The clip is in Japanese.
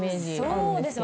そうですね